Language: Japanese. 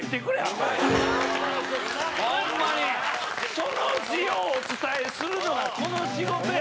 その字をお伝えするのが、この仕事や。